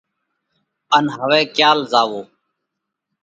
ان هوَئہ ڪيال زاوَو۔